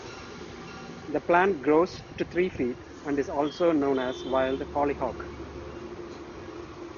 The plant grows to three feet, and is also known as wild hollyhock.